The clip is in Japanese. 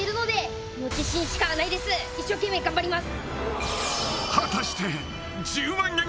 一生懸命頑張ります。